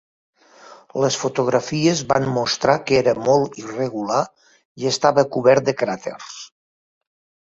Les fotografies van mostrar que era molt irregular i estava cobert de cràters.